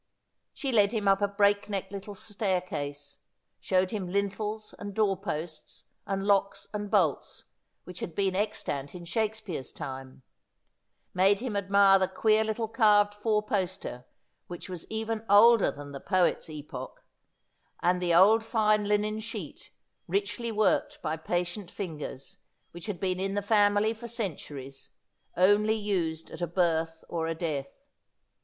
She led him up a breakneck little staircase, showed him lintels and doorposts, and locks and bolts, which had been extant in Shakespeare's time ; made him admire the queer little carved four poster which was even older than the poet's epoch ; and the old fine linen sheet, richly worked by patient fingers, which had been in the family for centuries, only used at a birth or a death.